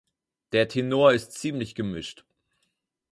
Der Tenor ist ziemlich gemischt.